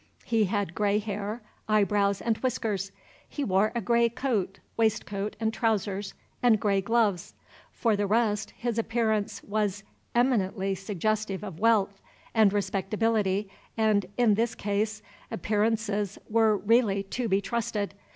He had gray hair, eyebrows, and whiskers; he wore a gray coat, waistcoat, and trousers, and gray gloves. For the rest, his appearance was eminently suggestive of wealth and respectability and, in this case, appearances were really to be trusted.